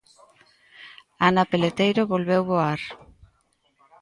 Ana Peleteiro volveu voar.